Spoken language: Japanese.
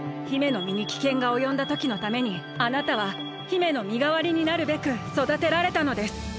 姫のみにきけんがおよんだときのためにあなたは姫のみがわりになるべくそだてられたのです。